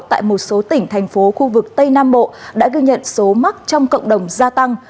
tại một số tỉnh thành phố khu vực tây nam bộ đã ghi nhận số mắc trong cộng đồng gia tăng